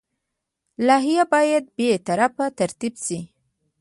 لایحه باید بې طرفه ترتیب شي.